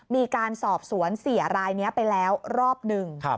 มีการสอบสวนเสียรายนี้ไปแล้วรอบหนึ่ง